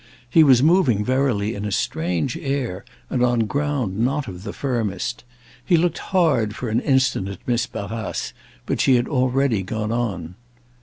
He was moving verily in a strange air and on ground not of the firmest. He looked hard for an instant at Miss Barrace, but she had already gone on.